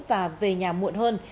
và về nhà muộn hơn